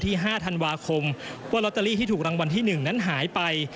ที่๕ธันวาคมว๋นที่๒วันที่๑นั้นหายไป